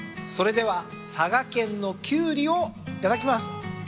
それでは佐賀県のキュウリをいただきます。